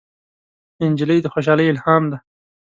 نجلۍ د خوشحالۍ الهام ده.